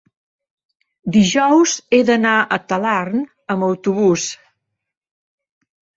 dijous he d'anar a Talarn amb autobús.